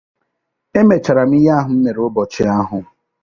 emechaara m ihe ahụ m mere ụbọchị ahụ